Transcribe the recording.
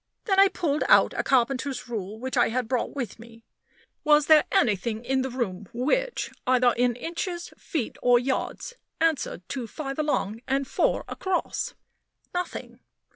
Then I pulled out a carpenter's rule which I had brought with me. Was there anything in the room which either in inches, feet, or yards answered to "5 along" and "4 across"? Nothing.